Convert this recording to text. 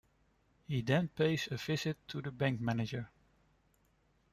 He then pays a visit to the bank manager.